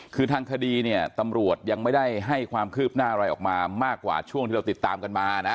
คือทางคดีเนี่ยตำรวจยังไม่ได้ให้ความคืบหน้าอะไรออกมามากกว่าช่วงที่เราติดตามกันมานะ